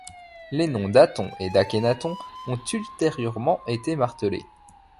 Les noms d'Aton et d'Akhénaton ont ultérieurement été martelés.